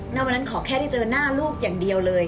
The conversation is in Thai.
ณวันนั้นขอแค่ได้เจอหน้าลูกอย่างเดียวเลย